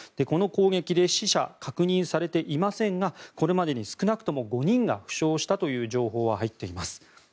この攻撃で死者、確認されていませんがこれまでに少なくとも５人が負傷したという情報は入っています。